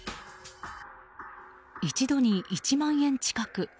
一度に１万円近く。